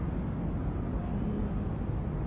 うん。